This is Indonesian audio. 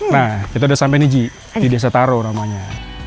nah kita udah sampai nih ji di desa taro namanya